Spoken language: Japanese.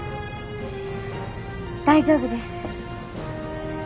大丈夫です。